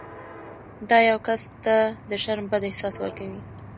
دا یو کس ته د شرم بد احساس ورکوي.